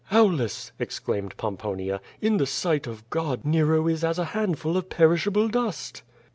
"Aulus!" exclaimed Pomponia. "In the sight of God, Nero is as a handful of perishable dust."